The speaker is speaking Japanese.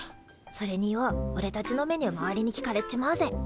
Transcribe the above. それにようおれたちのメニュー周りに聞かれっちまうぜ。